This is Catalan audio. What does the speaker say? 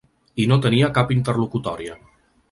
I no tenia cap interlocutòria.